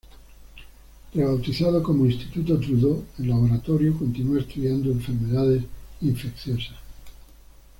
Rebautizado como Instituto Trudeau, el laboratorio continúa estudiando enfermedades infecciosas.